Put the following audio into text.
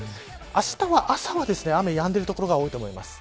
あしたは朝は雨やんでる所が多いと思います。